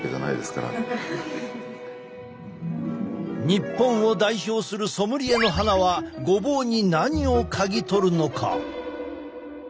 日本を代表するソムリエの鼻はごぼうに何を嗅ぎ取るのか？